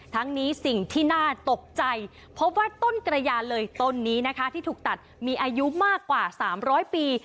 ทั้งนี้สิ่งที่น่าตกใจพบว่าต้นกระยาเลยต้นนี้นะคะที่ถูกตัดมีอายุมากกว่า๓๐๐ปี